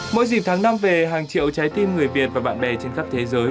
mỗi dịp tháng năm về hàng triệu trái tim người việt và bạn bè trên khắp thế giới